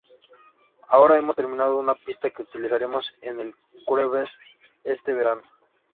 Ahora hemos terminado una pista que utilizaremos en el Crüe Fest este verano.